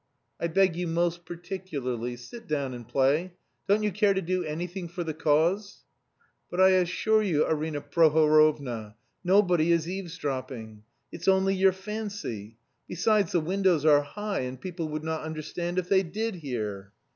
"I beg you most particularly, sit down and play. Don't you care to do anything for the cause?" "But I assure you, Arina Prohorovna, nobody is eavesdropping. It's only your fancy. Besides, the windows are high, and people would not understand if they did hear."